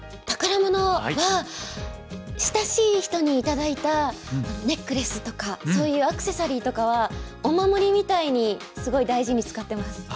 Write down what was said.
宝物は親しい人に頂いたネックレスとかそういうアクセサリーとかはお守りみたいにすごい大事に使ってます。